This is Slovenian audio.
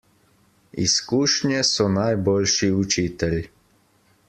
Izkušnje so najboljši učitelj.